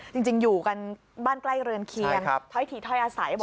จริงอยู่กันบ้านใกล้เรือนเคียงถ้อยถี่ถ้อยอาศัย